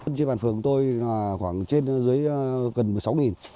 trên bàn phường của tôi là khoảng trên dưới gần một mươi sáu